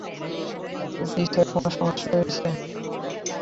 জী স্যার, কোন সমস্যা হয়েছে?